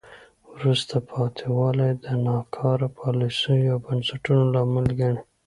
وروسته پاتې والی د ناکاره پالیسیو او بنسټونو لامل ګڼي.